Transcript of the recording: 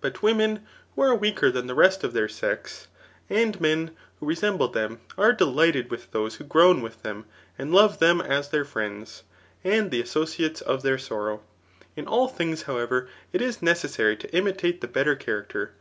But wome» who are weaker than the rest of their sex, (yt/yaia), and men who resemble them, are delighted with those wha groan with them, and love them as thar friends, and the associates of their sorrow. In all things, liowever, it is necessary to imitate the better character.